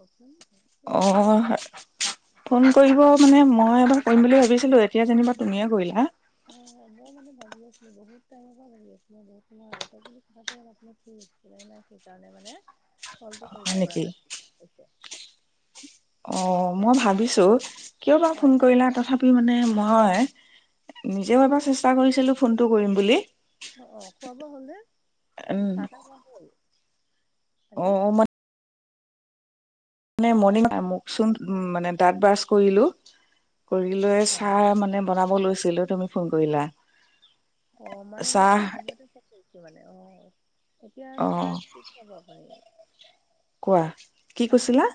অ' অ' ফোন কৰিব। মানে মই এবাৰ কৰিম বুলি ভাবিছিলো, এতিয়া যেনিবা তুমিয়ে কৰিলা। অ। অ'! মই মানে ভাবি আছিলোঁ, বহুত টাইমৰ পৰা লাগি আছিলোঁ! বহুত সময় আগতে। কিন্তু, কথাটো অলপ [unintelligible] হৈ আছিলে নাই। সেইকাৰণে মানে, ফোনটো হয় কৰিব পৰা নেকি? নাছিলোঁ। অ মই ভাবিছো কিয় বা ফোন হয় কৰিলা তথাপি মানে মই নিজেও এবাৰ চেষ্টা কৰিছিলোঁ, ফোনটো কৰিম বুলি। অ' অ'! খোৱা-বোৱা হ'লনে? চাহ-তাহ খোৱা হ'ল। অ, আজি অ, মা মানে মৰ্ণিং, মুখ-চুখ মানে, দাঁত ব্ৰাছ কৰিলোঁ। কৰি লৈ হয় হয় চাহ মানে বনাব লৈছিলো তুমি ফোন কৰিলা। অ'! মানে, মই চাহ ভাল সময়তে, ফোন কৰিছোঁ মানে। অ'! এতিয়া, চাহ অ', কি খাব আপুনি? কোৱা? কি আপুনি কৈছিলা?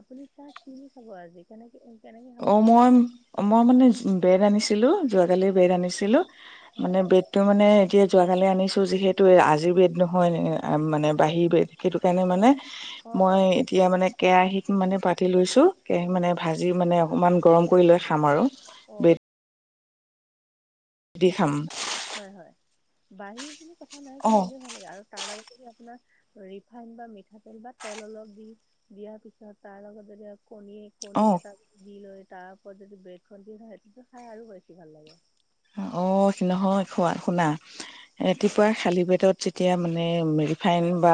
আপুনি চাহ কিনি খাব আজি কেনেকে অ মই- মই মানে ব্ৰেড আনিছিলো যোৱাকালি ব্ৰেড আনিছিলোঁ, হয় মানে ব্ৰেডটো মানে এতিয়া যোৱাকালি আনিছোঁ, যিহেতু আজিৰ ব্ৰেড নহয়, মানে বাহি ব্ৰেড সেইটো কাৰণে অ' মানে অ' মই অ' এতিয়া মানে কেৰাহিত মানে তেতিয়াহ'লে- পাতি লৈছো কেৰাহী মানে অ' ভাজি মানে অকণমান গৰম কৰি লৈ খাম আৰু অ' বেড দি খাম হয় হয় বাহী ব কথা নাই অ কিন্তু এনেও ভাল লাগে আৰু তাৰ লগত যদি আপোনাৰ ৰিফাইন বা মিঠাতেল বা তেল অলপ দি দিয়াৰ পিছত তাৰ লগত কণী, অ কণী এটা [unintelligible] তাৰ ওপৰত যদি ব্ৰেডখন দি খায় সেইটোতো খাই আৰু বেছি ভাল লাগে অ নহয় খোৱা শুনা ৰাতিপুৱাৰ খালি পেটত যেতিয়া মানে ৰিফাইন বা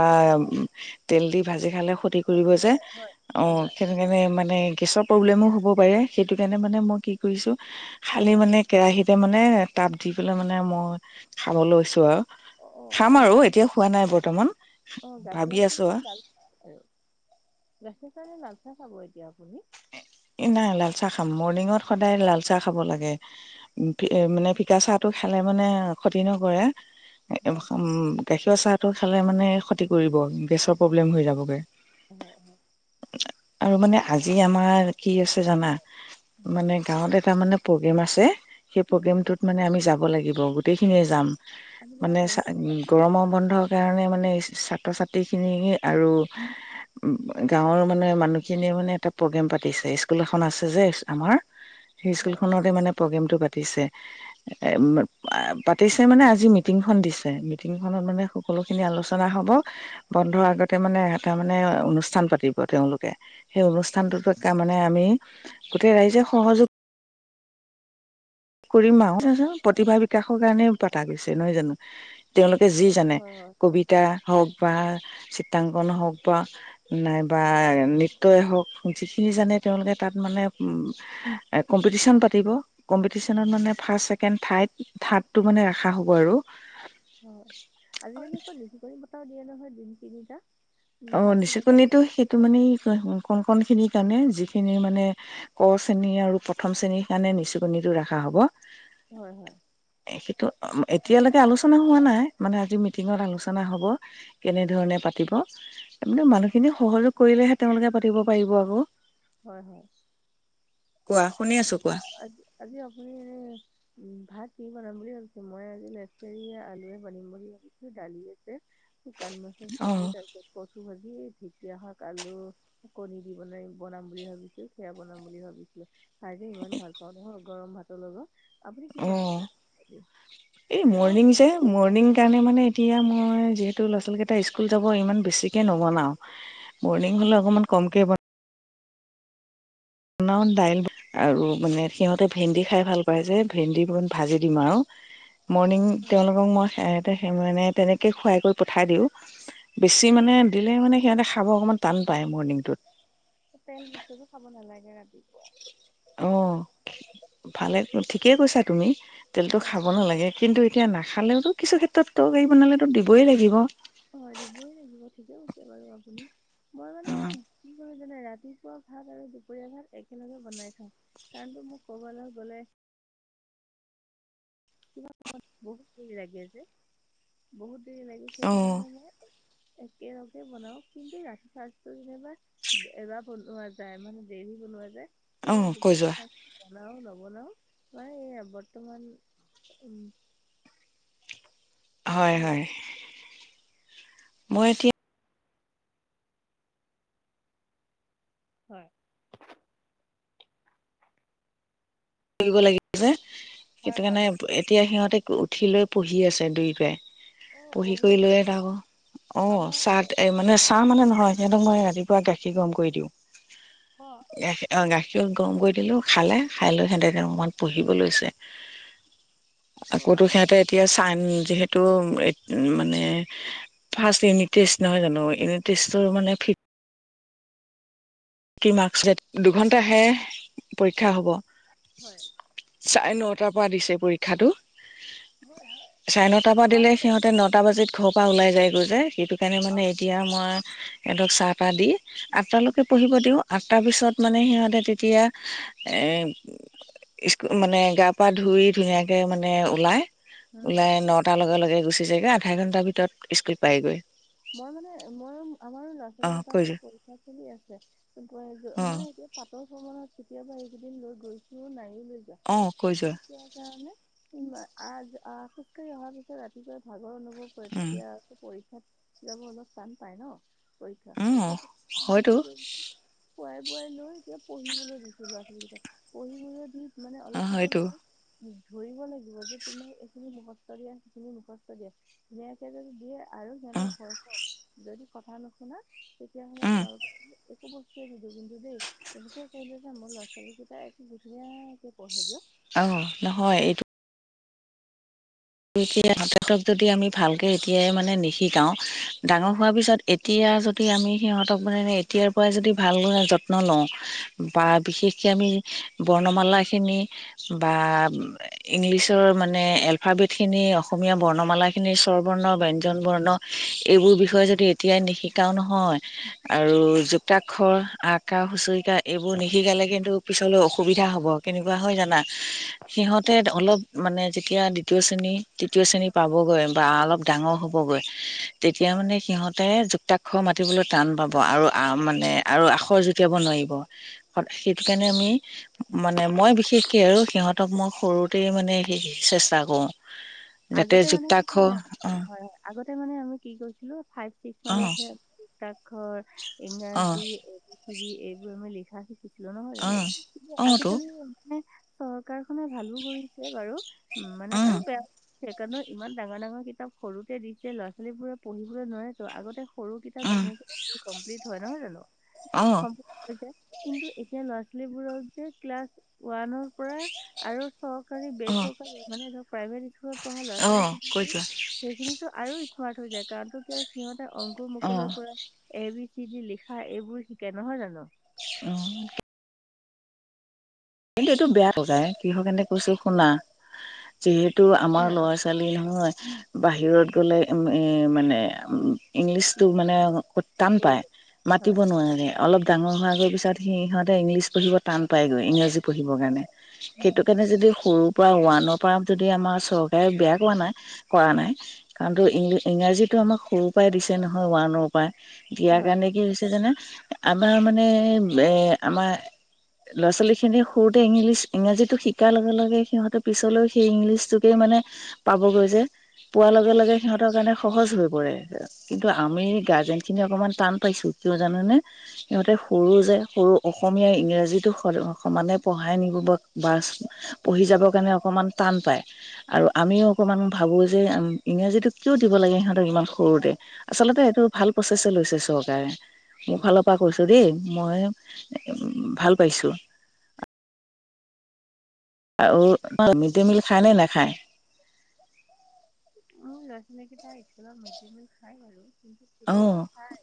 তেল দি ভাজি খালে খতি কৰিব ক্ষতি যে কৰে হয় হয় হয়। [unintelligible] প্ৰব্লেমো হ'ব পাৰে সেইটো কাৰণে মানে মই কি কৰিছো খালি হয় মানে কেৰাহিত এ মানে তাত দি পেলাই মানে মই খাব লৈছো আৰু অ খাম আৰু লা এতিয়া খোৱা নাই বৰ্তমান অ গাখীৰ ভাবি আখ আছো [unintelligible] আৰু গাখীৰ সি মানে লাল চাহ খাব এতিয়া। এই নাই লাল চাহ খাম মৰ্ণিঙত সদায় লাল চাহ খাব লাগে উ মানে ফিকা চাহতো খালে মানে ক্ষতি নকৰে একদম হয়। উম গাখীৰ চাহটো খালে মানে ক্ষতি কৰিব গেছৰ প্ৰব্লেম হৈ যাবগে হয় হয় আৰু মানে আজি আমাৰ কি আছে জানা হয় মানে গাঁৱত এটা মানে প্ৰগ্ৰেম আছে সেই কি কৰিব, প্ৰগ্ৰেমটোত মানে আমি যাব লাগিব অ, গোটেইখিনিয়ে যাম আমি যাব মানে চ পাৰিমনে গৰমৰ বন্ধ কাৰণে মানে ছাত্ৰ, ছাত্ৰীখিনি আৰু গাঁৱৰ মানে মানুহখিনি মানে এটা প্ৰগ্ৰেম পাতিছে ইস্কুল এখন আছে যে, আমাৰ সেই হয় স্কুলখনতে মানে প্ৰগ্ৰমটো পাতিছে এই ম মানে আজি মিটিংখন দিছে মিটিংখনত মানে সকলো খিনি আলোচনা হব বন্ধৰ আগতে মানে এটা মানে অনুষ্ঠান পাতিব তেওঁলোক সেই অনুষ্ঠানটোততে মানে আমি গোটেই অ, ৰাইজে সহযোগ কৰিম অ, আৰু [inaudible] প্ৰতিভা বিকাশৰ কাৰণে পাতা গৈছে নহয় জানো? তেওঁলো যি জানে, হয় হয় কবিতা হওক বা চিত্ৰাংকন হওক বা নাইবা নৃত্যই হওক যি কোনো যি জানে তেওঁলোকে তাত মানে এ কম্পিটিচন পাতিব কম্পিতি কম্পিটিচনত মানে ফাৰ্ষ্ট ছেকেণ্ড থাৰ্ড থাৰ্ডটো মানে ৰাখা হ'ব আৰু অ আজিকালি আকৌ নিজিকণি বতও দিয়ে নহয় দিন তিনিটা [inaudible] উম, অ ফাৰ্ষ্ট ছেকেণ্ড নিচুকণিতো সেইটো মানে কণকণখিনিক সেই কাৰণে যিখিনি মানে ক শ্ৰেণী আৰু প্ৰথম শ্ৰেণীৰ কাৰণে নিচুকনিটো ৰখা হ'ব হয়- হয় সেইটো এতিয়ালৈকে আলোচনা হোৱা নাই মানে আজি মিটিঙত আলোচনা হ'ব কেনেধৰণে পাতিব [unintelligible] মানুহখিনি সহযোগ কৰিলেহে তেওঁলোকে পাতিব পাৰিব আকৌ। হয়, হয়। কোৱা শুনি আছো কোৱা। আ আজি আপুনি এনে ভাত কি বনাম বুলি ভাবিছো মই আজি লেচৰ আলুে বনিম বুলি ভাবিছো দালি আছে [unintelligible] [unintelligible] অ', চাৰিদিন হৈছে পচি গৈছে‌ ঢেঁকীয়া শাক আলু কণী দি বনাই বনাম বুলি ভাবিছিলো সেয়া বনাম বুলি ভাবিছিলো খাই যে ইমান ভাল পাওঁ নহয় গৰম ভাতৰ লগত আপুনি কি অ বনাম বুলি ভাবিছে আজি? এই অ' মৰ্ণিং যে মৰ্ণিং সেইকাৰণে মানে, এতিয়া মই, যিহেতু ল'ৰা- ছোৱালীকেইটা স্কুল যাব, ইমান বেছিকে নবনাও। মৰ্ণিং হ'লে অকণমান কমকে বনা বনাও দাইল আৰু মানে সিহঁতে ভেন্দি খাই ভাল পায় যে ভেন্দি ম ভাজি দিম আৰু। মৰ্ণিং, হয় তেওঁলোকক মই, সেইয়াতে মানে, তেনেকে খুৱাই কৰি পঠাই দিওঁ। বেছি মানে, অ' দিলে মানে, সিহঁতে খাব অকণমান টান পায়, মৰ্ণিংটোত। তেল বস্তুটো খাব নালাগে, ৰাতিপুৱা। অ', ভালে ঠিকেই কৈছা তুমি তেলতো হয় খাব নালাগে কিন্তু এতিয়া নাখালেওঁতো, কিছু ক্ষেত্ৰততো, হেৰি বনালেতো দিবই লাগিব। অ', দিবই লাগিব ঠিকে কছে বাৰু আপুনি, মই মানে কি কৰোঁ জানে ৰাতিপুৱা ভাত আৰু দুপৰীয়া ভাত একেলগে বনাই থওঁ। কাৰণটো, মোক ক'বালৈ গ'লে, [inaudible] কিবা সময়ত বহুতৰি লাগে যে বহুত চেই লাগিছে সেইটো অ' কাৰণে মই একেলগে বনাও কিন্তু ৰাতিৰ সাঁজটো যেনিবা এবাৰ বনোৱা যায় মানে দেৰিও বনোৱা যায়। সেয়া অ' কৈ দুপৰীয়া যোৱা সাঁজ বনাও নবনাও মানে এই বৰ্তমান উম। হয়, হয়। মই এতিয়া, হয়। কৰিব লাগ যে হয় সেইটো হয় কাৰণে এতিয়া সিহঁতে উঠি লৈ পঢ়ি আছে দুই ভায়ে। অঁ পঢ়ি কৰি লৈ আছে এডাহ হব অ', আমাৰ চাহ এ মানে চাহ মানে নহয় সিহঁতক, মই ৰাতিপুৱা, গাখীৰ গৰম কৰি দিওঁ। অঁ গাখীৰ অ'! গাখীৰ সিহঁত গৰম কৰি দিলোঁ খালে খাই লৈ সিহঁতে এতিয়া ৰুমত পঢ়িব লৈছে। অঁ আকৌতো আজি সিহঁতে এতিয়া টাইম যিহেতু এত-মানে ফাৰ্ষ্ট ইউনিতেষ্ট নহয় জানো ইউনিতেষ্টো অ' মানে ফিফ থ্ৰী মাৰ্ক্স দুঘন্টাহে পৰীক্ষা হ'ব। হয় চাৰে নটাৰ পৰা দিছে পৰীক্ষাটো। হয় হয় চাৰে নটাৰ পৰা দিলে আমাৰো সিহঁতে নটা বজাত ঘৰৰ পৰা ওলাই যায়গৈ যে সেটো সেইকাৰণে মানে এতিয়া মই সিহঁতক চাহতাহ দি আটঠালৈকে সিহঁতে, ও আঠটাৰ পিছত মানে, সিহঁতে তেতিয়া, এই স্কু-মানে গা পা ধুই ধুনীয়াকে মানে ওলাই উম, ওলাই, নটাৰ লগে-লগে গুচি যাইগে, আধা ঘন্টাৰ ভিতৰতে স্কুল পাইগৈ। মই মানে এ-মই-আমাৰ ল'ৰা অ ছোৱালিকেইটাৰ কৈ মানে পৰীক্ষা চলি আছে। গৈ [unintelligible] যোৱা অ মানে, এতিয়া [unintelligible] ভ্ৰমণত কেতিয়াবা, এইকেইদিন লৈ গৈছোঁও নাই। অ কৈ যোৱা [unintelligible] আয-আঁ খোজকাঢ়ি অহাৰ পিছত, ৰাতিপুৱাই ভাগৰ অনুভৱ কৰে। উম তেতিয়া, পৰীক্ষাত যাব অলপ টান পায় ন' পৰীক্ষা। উম সেইটো মই হয়তো কি খুৱাই বোৱাই লৈ এতিয়া পঢ়িবলৈ দিছো ল'ৰা-ছোৱালীকেইটাক পঢ়িবলৈ দি মানে অ অলপ কি যে হয়তো মই উ ধৰিব লাগিব যে তোমাক এইখিনি মুখস্থ দিয়া সেইখিনি মুখস্থ দিয়া, ধুনীয়াকে যদি দিয়ে আৰু অ সিহঁতক হয় হওক। যদি কথা নুশুনা তেতিয়া হ'লে উম তোমালোকে একো বস্তুয়ে নিদিও কিন্তু দেই তেনেকে কৈ লৈজান মোৰ ল'ৰা ছোৱালীকেইটা একো ধুনীয়াকে পঢ়ে দিয়া। অহ, নহয় এইট এতিয়া সিহঁতক যদি আমি ভালকে এতিয়াই মানে নিশিকাওঁ ডাঙৰ হোৱাৰ পিছত এতিয়া যদি আমি সিহঁতক মানে এতিয়াৰ পৰাই যদি ভাল যত্ন লওঁ বা বিশেষকে আমি ই বৰ্ণমালা খিনি বা ইংলিছৰ মানে এলফাবেট খিনি অসমীয়া বৰ্ণমালা খিনিৰ স্বৰবৰ্ণ ব্যঞ্জন বৰ্ণ এইবোৰ বিষয়ে যদি এতিয়াই নিশিকাও নহয় আৰু যুক্তাক্ষ আকা হুঁচৰিকা এইবোৰ নিশিকালে কিন্তু পিছলৈ অসুবিধা হ'ব কেনেকুৱা হয় জানা সিহঁতে অলপ মানে যেতিয়া দ্বিতীয় শ্ৰেণী, তৃতীয় শ্ৰেণী পাবগৈ বা অলপ ডাঙৰ হ'বগৈ তেতিয়া মানে সিহঁতে যুক্তাক্ষৰ মাতিবলৈ টান পাব আৰু আ মানে আৰু আখৰ জটিয়াব নোৱাৰিব। সেইকাৰণে আমি মানে মই বিশেষে আৰু সিহঁতক মই সৰুতেই মানে সেই চেষ্টা কৰোঁ। যাতে আগতে মানে কিনে যুক্তাক্ষৰ হয় অ হয় আগতে মানে আমি কি কৰিছিলো। ফাইভ, ছিক্স মানতহে স্বাক্ষৰ অ ইংৰাজী এ বি চি ডি এইবোৰ আমি লিখা শিকি কিছিলো নহয় অ অ জানো কিন্তু অ তো আজিকালি মানে চৰকাৰখনে ভালো কৰিছে বাৰু উম, মানে অ আৰু বেয়া সেইকাৰণেও ইমান ডাঙৰ ডাঙৰ কিতাপ সৰুতে দিছে ল'ৰা-ছোৱালীবোৰে পঢ়িবলৈ নোৱাৰে ত আগতে সৰু কিতাপ অ ধুনীয়াকে কমপ্লিট হয় নহয় জানো অ সম্ভৱ পৰ্যায় কিন্তু এতিয়া ল'ৰা-ছোৱালীবোৰক যে ক্লাছ ওৱানৰ পৰা আৰু চৰকাৰী অ বেচৰকাৰী মানে ধৰক প্ৰাইভেট স্কুলত পঢ়া ল'ৰা অ ছোৱালী কৈ খিনিকো যোৱা সেইখিনিতো আৰু স্মাৰ্ট হৈ যায় কাৰণটো কিয় সিহঁতেৰ অংকুৰ অ মুকলৰ পৰা এবি চি ডি লিখা এইবোৰ শিকে নহয় জানো। উম, কিন্তু এইটো বেয়া লগাই কিৃহকনে কৈছো শুনা যিহেতু টো এ আমাৰ ল'ৰা ছোৱালী নহয় বাহিৰত গ'লে এ মানে ইংলিচটো মানে টান পায় হয় মাতিব নোৱাৰে অলপ ডাঙৰ হোৱা গৈ পিছত সি সিহঁতে ইংলিছ পঢ়িব টান পায়গৈ ইংৰাজী পঢ়িবৰ কাৰণে। উম, সেইটো কাৰণে যদি সৰু পৰা ওৱানৰ পৰা যদি আমাৰ চৰকাৰে বেয়া কৰা নাই - কৰা নাই কাৰণো ইংৰাজী আমাক সৰুৰ পৰাই দিছে নহয় ওৱণৰ পৰাই দিয়াৰ হয় কাৰণে কি হৈছে যেনে আমাৰ মানে এ আমাৰ ল'ৰা-ছোৱালীখিনি সৰুতে ইংলিছ ইংৰাজীতটো শিকাৰ লগে লগে সিহঁতে পিছলৈও সেই ইংলিছটোকে মানে পাবগৈ যায় যে পোৱাৰ লগে লগে সিহঁতৰ কাৰণে সহজ হৈ পৰে কিন্তু আমি গাৰ্জেন খিনি অকনমান টান পাইছো কিয় জানোনে সিহঁতে সৰু যে সৰু অসমীয়া ইংৰাজীটো সমানে পঢ়াই নিব বা পঢ়ি যাব কাৰণে অকমান টান পায় আৰু আমিও অকমান ভা ভাবো যে উম ইংৰাজীটোক কিয় দিব লাগে সিহতক ইমান সৰুতে আচলতে এইটো ভাল প্ৰচেছে লৈছে চব। মোৰ ফালৰ পৰা কৈছো দেই মই উম, ভাল পাইছো। [inaudible] আৰু মিড ডে মিল খায়নে নাখায়। মোৰ ল'ৰা ছোৱালীকেইটাইা মিড ডে মিল খায় বাৰু কিন্তু অ কেতিয়াবা খাই।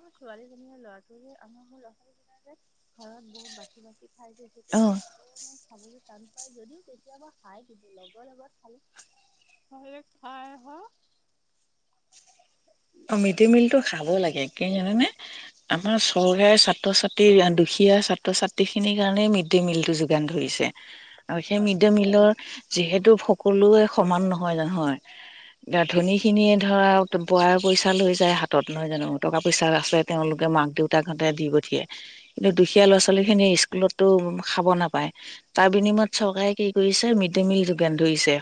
আমাৰ ছোৱালীজনীৰ ল'ৰাটোোৱ যে আমাৰ হল জিলাৰ যে ঘৰত বহুত বাচি - বাচি খাই গৈছে সেইটো অ কাৰণে [unintelligible] টান পাই যদিও কেতিয়াবা খাই কিন্তু লগৰ লগত খাল হয় হ অ, মিড ডে মিলটো খাব লাগে কি জানানে আমাৰ চৰকাৰী ছাত্ৰ ছাত্ৰী দুখিত ছাত্ৰ ছাত্ৰী খিনিৰ কাৰণ মিড ডে মিলটো যোগান ধৰিছে আৰু সেই হয়। মিড ডে মিলৰ যিহেতু সকলোৱে সমান নহয় জানোহয় গা ধনি খিনিয়ে ধৰা বয় পইচা লৈ যায় হাতত নহয় জানো টকা পইচা আছে তেওঁলোকে মাক দেউতাক হঁতে দি পঠিয়ে কিন্তু দুখীয়া ল'ৰা-ছোৱালীখিনিয়ে স্কুলততো খাব নাপায় তাৰ বিনিময়ত চৰকাৰে কি কৰিছে মিড ডে মিল যোগান ধৰিছে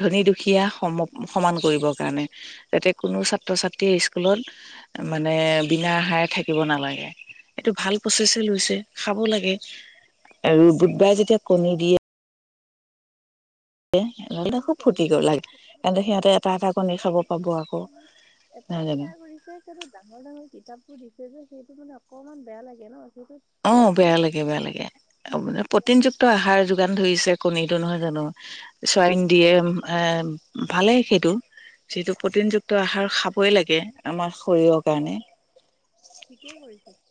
ধনী দুখীয়া সম সমান কৰিব কাৰণে যাতে কোনো ছ ছাত্ৰ ছাত্ৰীয়ে স্কুলত মানে বিনা আহাৰে থাকিব নালাগে। এইটো ভাল প্ৰচেছে লৈছে খাব লাগে আৰু বুধবাৰে যেতিয়া কণী দিয়ে হলে খুব ফূৰ্তি কৰি লাগে [unintelligible] কিন্তে সিহঁতে এটা এটা কণী খাব পাব আকৌ। এটাই নহয় জানো বেয়া কৰিছে কিন্তু ডাঙৰ ডাঙৰ কিতাপবোৰ দিছে যে সেইটো মানে অকমান বেয়া লাগে ন। সেইটো অ, ল'ৰা বেয়া ছোৱালী লাগে - বেয়া লাগে প্ৰটিনযুক্ত আহাৰ যোগান ধৰিছে কণীটো নহয় জানো। চোৱং দিয়ে এ ভালে সেইটো। যিহেতু প্ৰটিনযুক্ত আহাৰ খাবই লাগে আমাৰ শৰীৰৰ কাৰণে হয় ঠিকেই কৰিছে।